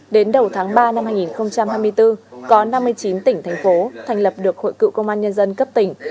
đến đầu tháng ba năm hai nghìn hai mươi bốn có năm mươi chín tỉnh thành phố thành lập được hội cựu công an nhân dân cấp tỉnh